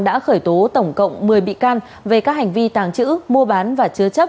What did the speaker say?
đã khởi tố tổng cộng một mươi bị can về các hành vi tàng trữ mua bán và chứa chấp